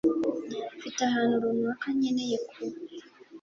Mfite ahantu runaka nkeneye kuba